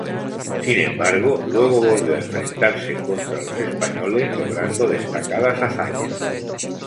Sin embargo, luego volvió a enfrentarse contra los españoles, logrando destacadas hazañas.